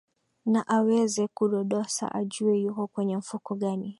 na aweze kudodosa ajue yuko kwenye mfuko gani